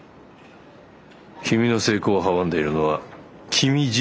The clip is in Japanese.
君の成功を阻んでいるのは君自身だ。